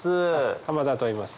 浜田といいます